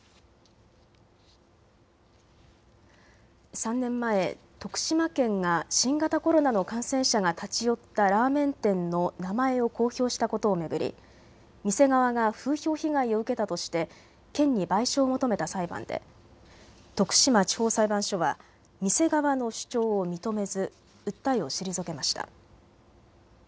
３年前、徳島県が新型コロナの感染者が立ち寄ったラーメン店の名前を公表したことを巡り店側が風評被害を受けたとして県に賠償を求めた裁判で徳島地方裁判所は店側の主張を認めず訴えを退けました。